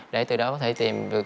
để từ đó có thể tìm được